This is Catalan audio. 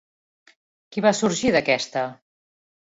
Qui va sorgir d'aquesta?